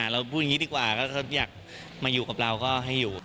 เราพูดอย่างนี้ดีกว่าก็อยากมาอยู่กับเราก็ให้อยู่